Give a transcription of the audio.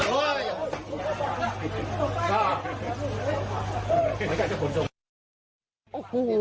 โอ้โห